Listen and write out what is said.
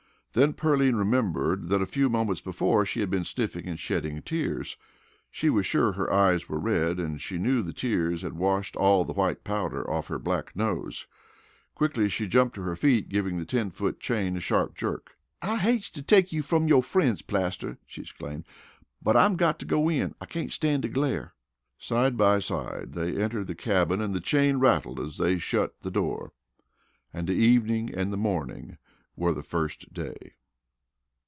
Then Pearline remembered that a few moments before she had been sniffling and shedding tears. She was sure her eyes were red, and she knew the tears had washed all the white powder off her black nose. Quickly she rose to her feet, giving the ten foot chain a sharp jerk. "I hates to take you from yo' frien's, Plaster," she exclaimed, "but I'm got to go in. I cain't stand de glare." Side by side they entered the cabin and the chain rattled as they shut the door. And the evening and the morning were the first day.